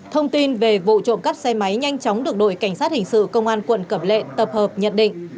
thông tin về vụ trộm cắp xe máy nhanh chóng được đội cảnh sát hình sự công an quận cẩm lệ tập hợp nhận định